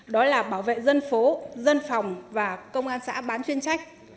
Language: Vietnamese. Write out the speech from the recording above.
đó là bảo vệ dân phố dân phòng và công an xã bán chuyên trách